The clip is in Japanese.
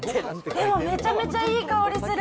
でも、めちゃめちゃいい香りする。